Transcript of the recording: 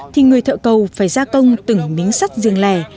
thì người thợ cầu phải gia công từng miếng sắt riêng lẻ